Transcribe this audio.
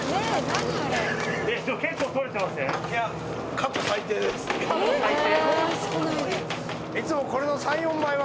過去最低？